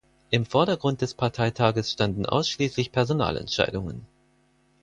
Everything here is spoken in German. Im Vordergrund des Parteitages standen ausschließlich Personalentscheidungen.